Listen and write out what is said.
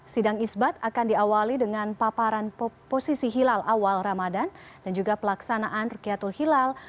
sidang isbat akan diawali dengan paparan posisi hilal awal ramadan dan juga pelaksanaan rakyatul hilal